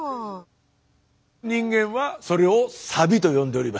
人間はそれをサビと呼んでおりました。